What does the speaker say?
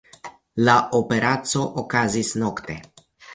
La operaco okazis nokte.